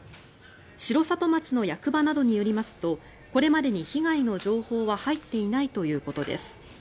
城里町の役場などによりますとこれまでに被害の情報は入っていないということです。